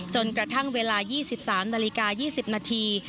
จนกระทั่งเวลา๒๓นาฬิกา๒๐นาที